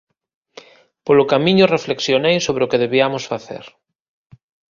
Polo camiño reflexionei sobre o que debiamos facer.